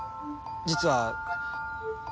実は。